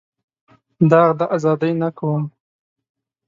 داغ د ازادۍ نه کوم.